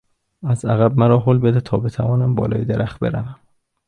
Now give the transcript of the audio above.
از عقب مرا هل بده تا بتوانم بالای درخت بروم.